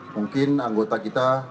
mungkin anggota kita